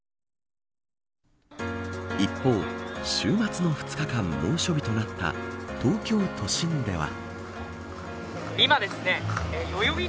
一方、週末の２日間猛暑日となった東京都心では。